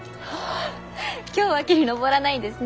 今日は木に登らないんですね。